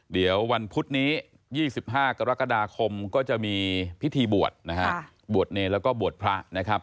เดี๋ยววันพุธนี้๒๕กรกฎาคมก็จะมีพิธีบวชนะฮะบวชเนรแล้วก็บวชพระนะครับ